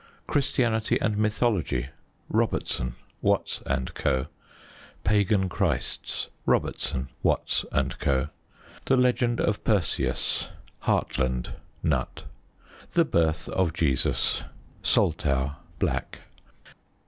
Christianity and Mythology. Robertson. Watts & Co. Pagan Christs. Robertson. Watts & Co. The Legend of Perseus. Hartland. Nutt. The Birth of Jesus. Soltau. Black.